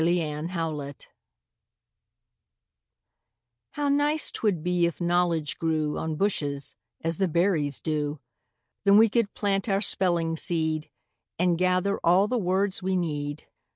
EASY KNOWLEDGE How nice 'twould be if knowledge grew On bushes, as the berries do! Then we could plant our spelling seed, And gather all the words we need.